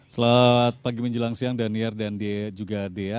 selamat pagi menjelang siang daniar dan juga dea